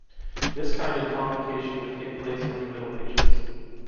This kind of convocation would take place from the Middle Ages.